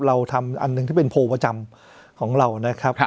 เราทำอันหนึ่งที่เป็นโพลประจำของเรานะครับ